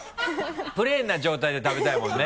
プレーンな状態で食べたいもんね。